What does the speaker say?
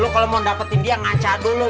lo kalo mau dapetin dia ngaca dulu